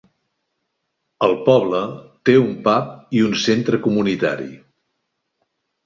El poble té un pub i un centre comunitari.